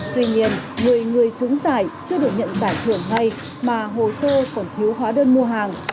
tuy nhiên một mươi người trúng giải chưa được nhận giải thưởng hay mà hồ sơ còn thiếu hóa đơn mua hàng